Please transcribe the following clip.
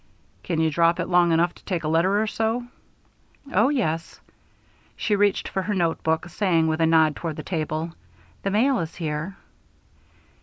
"Can you drop it long enough to take a letter or so?" "Oh, yes." She reached for her notebook, saying, with a nod toward the table: "The mail is here."